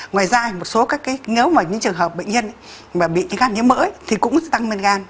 ngoài ra một số các cái nếu mà những trường hợp bệnh nhân mà bị những gan nhiễm mỡ ấy thì cũng sẽ tăng men gan